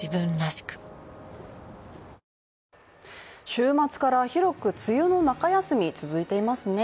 週末から広く梅雨の中休み続いていますね。